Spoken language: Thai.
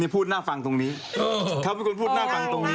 พูดน่าฟังตรงนี้เขาเป็นคนพูดน่าฟังตรงนี้